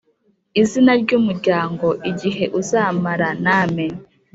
Izina ry umuryango igihe uzamara name